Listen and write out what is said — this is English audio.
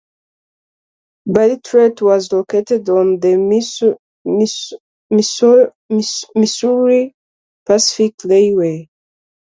Bartlett was located on the Missouri Pacific Railway.